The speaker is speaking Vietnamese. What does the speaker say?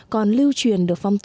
còn lưu truyền được phong tục